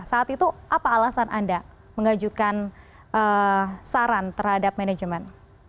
saat itu apa alasan anda mengajukan saran terhadap manajemen